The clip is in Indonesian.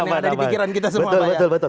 ada di pikiran kita semua pak